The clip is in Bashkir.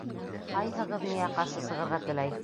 Хайһығыҙ миңә ҡаршы сығырға теләй?